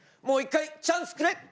もう一回チャンスくれ！